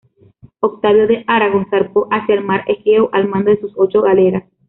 Octavio de Aragón zarpó hacia el mar Egeo al mando de sus ocho galeras.